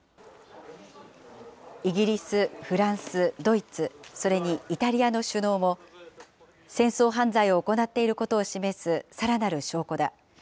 イギリス、フランス、ドイツ、それにイタリアの首脳も、戦争犯罪を行っていることを示すさらなる証拠だ。